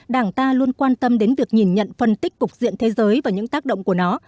đảng ta luôn quan tâm đến việc nhìn nhận phân tích cục diện thế giới và những tác động của nó